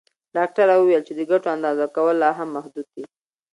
ډاکټره وویل چې د ګټو اندازه کول لا هم محدود دي.